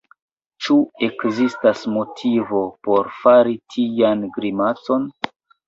Ĉu ekzistas motivo por fari tian grimacon?